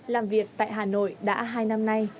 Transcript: làm việc tại hà nội đã hai năm nay